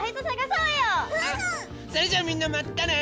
それじゃあみんなまたね！